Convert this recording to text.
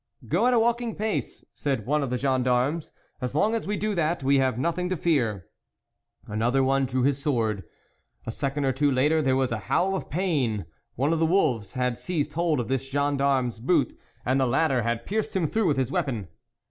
" Go at a walking pace," said one of the gendarmes, " as long as we do that, we have nothing to fear." Another one drew his sword. A second or two later there was a howl of pain ; one of the wolves had seized hold of this gendarme's boot, and the latter had pierced him through with his weapon.